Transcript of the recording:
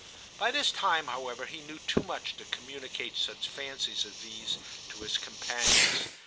By this time, however, he knew too much to communicate such fancies as these to his companions.